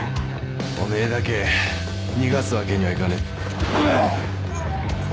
お前だけ逃がすわけにはいかねえ。